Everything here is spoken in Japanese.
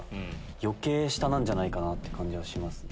余計下なんじゃないかなって感じはしますね。